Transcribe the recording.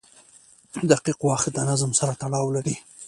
• دقیق وخت د نظم سره تړاو لري.